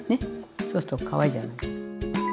そうするとかわいいじゃない？